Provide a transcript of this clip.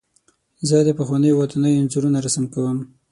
زه د پخوانیو ودانیو انځورونه رسم کوم.